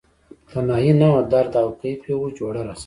تنهایې نه وه درد او کیف یې و جوړه راسره